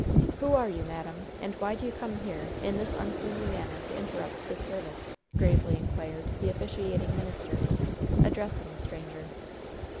"Who are you, madam? And why do you come here in this unseemly manner to interrupt this service?" gravely inquired the officiating minister, addressing the stranger.